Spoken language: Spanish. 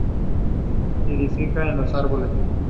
Nidifica en los árboles.